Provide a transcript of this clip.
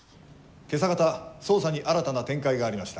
今朝方捜査に新たな展開がありました。